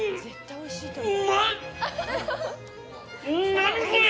何これ！？